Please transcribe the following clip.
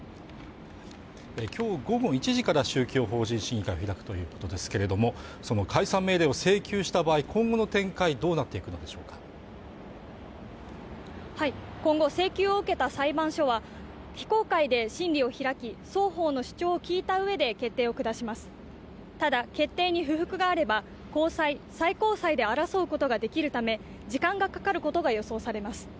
きょう午後１時から宗教法人審議会を開くということですけれどもその解散命令を請求した場合今後の展開どうなっていくのでしょうか今後請求を受けた裁判所は非公開で審理を開き双方の主張を聞いたうえで決定を下しますただ決定に不服があれば高裁最高裁で争うことができるため時間がかかることが予想されます